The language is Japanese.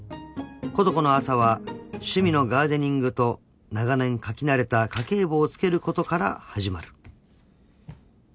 ［琴子の朝は趣味のガーデニングと長年書き慣れた家計簿をつけることから始まる］